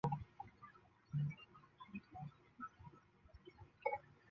慕扎法沙二世在其父阿拉乌丁二世遭亚齐人杀死后继任苏丹。